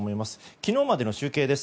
昨日までの集計です。